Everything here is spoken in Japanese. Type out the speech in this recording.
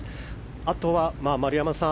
あとは、丸山さん